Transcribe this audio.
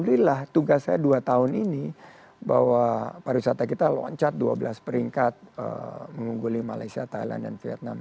dan alhamdulillah tugas saya dua tahun ini bahwa pariwisata kita loncat dua belas peringkat mengungguli malaysia thailand dan vietnam